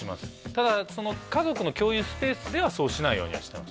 ただ家族の共有スペースではそうしないようにはしてます